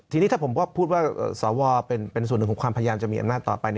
ทีนี้ถ้าผมพูดว่าสวเป็นส่วนหนึ่งของความพยายามจะมีอำนาจต่อไป